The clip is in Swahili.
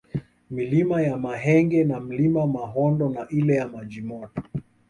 Milima ya Mahenge na Mlima Mahondo na ile ya Maji Moto